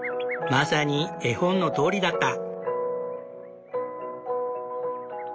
まさに絵本のとおりだった。